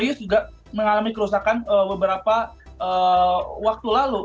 dia juga mengalami kerusakan beberapa waktu lalu